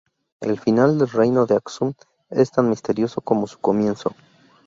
El final del reino de Aksum es tan misterioso como su comienzo.